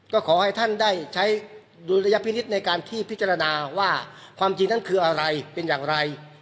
ก็ขอให้ท่านได้ใช้ดุลยพินิษฐ์ในการที่พิจารณาว่าความจริงนั้นคืออะไรเป็นอย่างไร